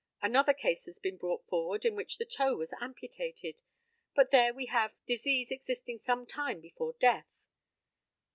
Another case has been brought forward in which a toe was amputated, but there we have disease existing some time before death.